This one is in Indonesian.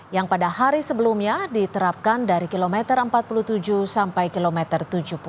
yang pada hari sebelumnya diterapkan dari kilometer empat puluh tujuh sampai kilometer tujuh puluh